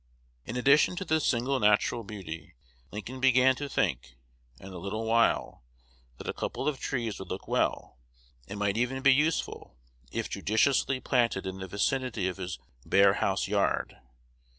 In addition to this single natural beauty, Lincoln began to think, in a little while, that a couple of trees would look well, and might even be useful, if judiciously planted in the vicinity of his bare house yard.